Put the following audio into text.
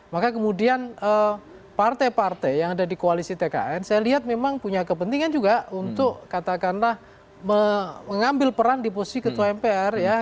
maka kemudian partai partai yang ada di koalisi tkn saya lihat memang punya kepentingan juga untuk katakanlah mengambil peran di posisi ketua mpr ya